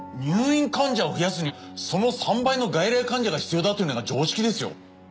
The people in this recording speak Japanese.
入院患者を増やすにはその３倍の外来患者が必要だというのが常識ですよ。